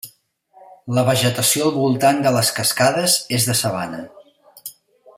La vegetació al voltant de les cascades és de sabana.